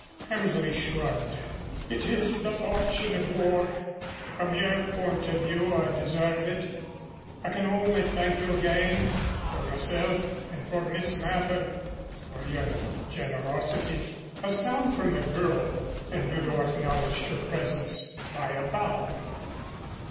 Hammersley shrugged. "It is the fortune of war. From your point of view I deserve it. I can only thank you again, for myself and for Miss Mather, for your generosity." A sound from the girl and Udo acknowledged her presence by a bow.